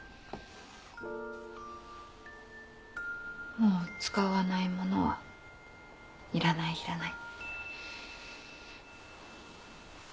もう使わない物はいらないいらない。